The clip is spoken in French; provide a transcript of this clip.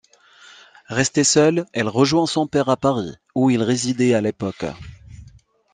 Restée seule, elle rejoint son père à Paris, où il résidait à l'époque.